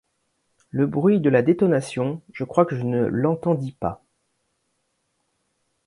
Le bruit de la détonation, je crois que je ne l’entendis pas.